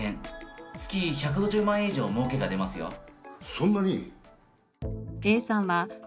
そんなに？